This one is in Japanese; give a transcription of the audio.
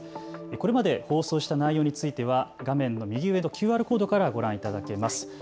これまで放送した内容については画面の右上のＱＲコードからご覧いただけます。